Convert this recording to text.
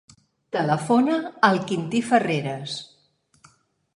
Telefona al Quintí Ferreras.